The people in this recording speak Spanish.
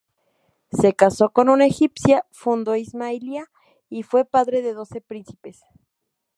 Se casó con una egipcia, fundó Ismailia y fue padre de doce príncipes.